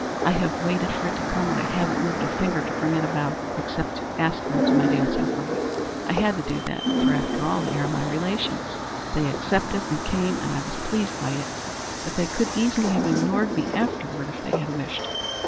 I have waited for it to come, and I haven't moved a finger to bring it about, except to ask them to my dancing party I had to do that, for after all they are my relations. They accepted and came and I was pleased by it; but they could easily have ignored me afterward if they had wished.